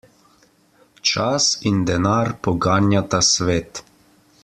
Čas in denar poganjata svet.